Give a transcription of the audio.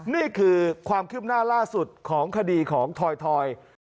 นี่คือความคืบหน้าล่าสุดของคดีของถอย